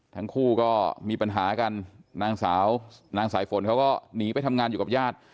ทั้งคู่ก็มีปัญหากันนางสาวนางสายฝนเขาก็หนีไปทำงานอยู่กับญาติ